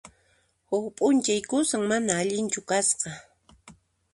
Huk p'unchay qusan mana allinchu kasqa.